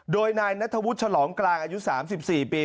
โดยนายนัทวุฒิฉลองกลางอายุ๓๔ปี